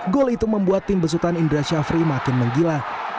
gol itu membuat tim besutan indra syafri makin menggila